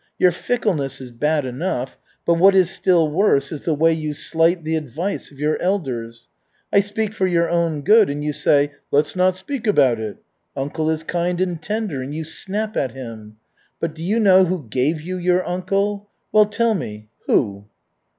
Your fickleness is bad enough, but what is still worse is the way you slight the advice of your elders. I speak for your own good and you say, 'Let's not speak about it.' Uncle is kind and tender, and you snap at him. But do you know who gave you your uncle? Well, tell me who?"